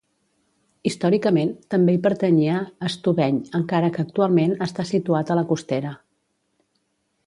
Històricament també hi pertanyia Estubeny encara que actualment està situat a la Costera.